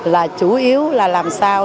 là chủ yếu là làm sao